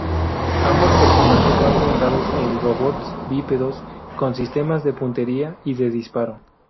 Ambos personajes van montados en robots bípedos con sistemas de puntería y de disparo.